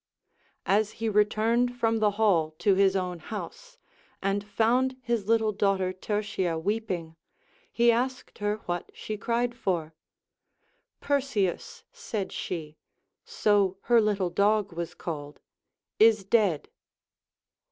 As he returned from the hall to his own house, and found his little daughter Tertia Λveeping, he asked her what she cried for] Perseus, said she (so her little dog was called), is dead.